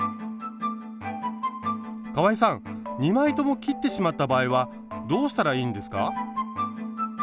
かわいさん２枚とも切ってしまった場合はどうしたらいいんですか？